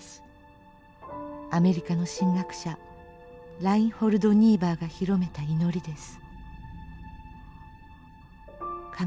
アメリカの神学者ラインホルド・ニーバーが広めた祈りです。